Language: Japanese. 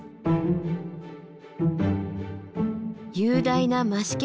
雄大な増毛